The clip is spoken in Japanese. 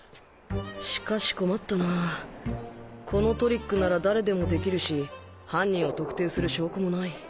しかし困ったなこのトリックなら誰でもできるし犯人を特定する証拠もない